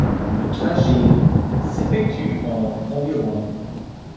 Le trajet s'effectue en environ.